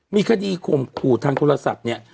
มีคดีข่มขู่ทางโทรศัพท์เนี่ย